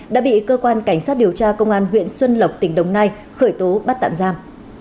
đã bị cơ quan cảnh sát điều tra công an huyện xuân lộc tỉnh đồng nai khởi tố bắt tạm giam